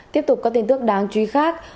tiếp tục có tin tức đáng chú ý khác